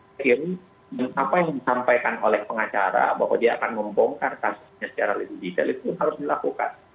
saya kira apa yang disampaikan oleh pengacara bahwa dia akan membongkar kasusnya secara lebih detail itu harus dilakukan